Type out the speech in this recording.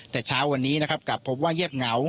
แต่เช้าวันนี้กลับพบว่าเย็บเหงา